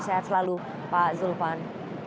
sehat selalu pak zulfan